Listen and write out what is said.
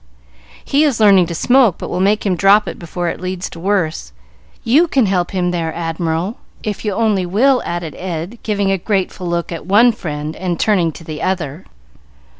"He is learning to smoke, but we'll make him drop it before it leads to worse. You can help him there, Admiral, if you only will," added Ed, giving a grateful look at one friend, and turning to the other.